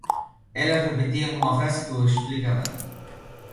Elas repetían unha frase que o explica ben.